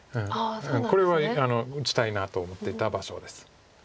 これは打ちたいなと思ってた場所です。